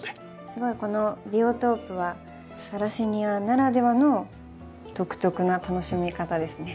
すごいこのビオトープはサラセニアならではの独特な楽しみ方ですね。